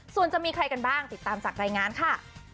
ส่วนจะมีใครกันบ้างติดตามจากรายงานค่ะ